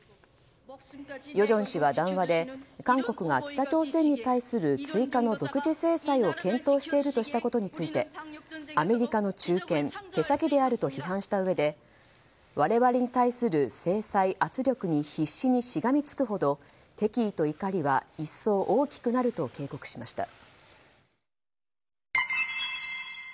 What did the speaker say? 与正氏は談話で韓国が北朝鮮に対する追加の独自制裁を検討しているとしたことについてアメリカの忠犬手先であると批判したうえで我々に対する制裁・圧力に必死にしがみつくほど敵意と怒りは一層大きくなると警告しました。